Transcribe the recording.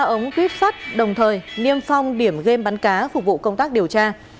ba ống tuyếp sắt đồng thời niêm phong điểm game bắn cá phục vụ công tác điều tra